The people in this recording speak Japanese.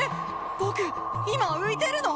僕今浮いてるの？